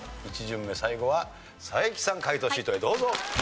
１巡目最後は才木さん解答シートへどうぞ。